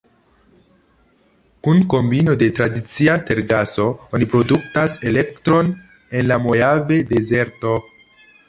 Kun kombino de tradicia tergaso, oni produktas elektron en la Mojave-dezerto.